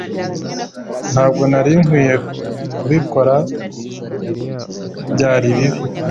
Ntabwo nari nkwiye kubikora Byari bibi